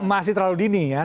masih terlalu dini ya